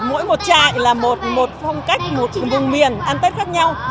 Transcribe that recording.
mỗi một trại là một phong cách một vùng miền ăn tết khác nhau